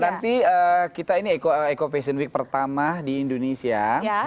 nanti kita ini eco fashion week pertama di indonesia